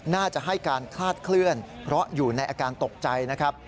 น่าจะให้การคลาดเคลื่อนเพราะอยู่ในอาการตกใจนะครับ